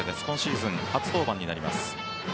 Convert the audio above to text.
今シーズン、初登板になります。